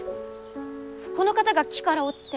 この方が木から落ちて。